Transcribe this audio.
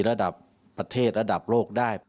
ระดับประเทศระดับโลกได้